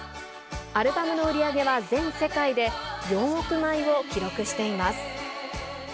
アルバムの売り上げは全世界で４億枚を記録しています。